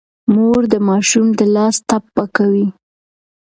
مور د ماشوم د لاس ټپ پاکوي.